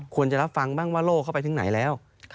ควรจะรับฟังบ้างว่าโลกเข้าไปถึงไหนแล้ว